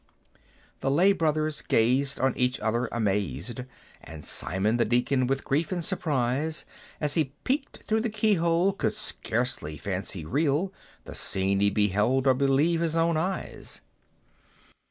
The lay brothers gazed on each other, amazed; And Simon the Deacon, with grief and surprise. As he peeped through the key hole, could scarce fancy real The scene he beheld, or believe his own eyes.